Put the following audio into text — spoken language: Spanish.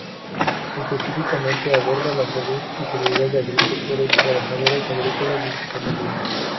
Específicamente aborda la salud y seguridad de agricultores, trabajadores agrícolas, y sus familias.